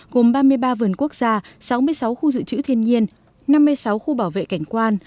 gồm ba mươi ba vườn quốc gia sáu mươi sáu khu dự trữ thiên nhiên năm mươi sáu khu bảo vệ cảnh quan